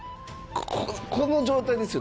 この状態ですよ。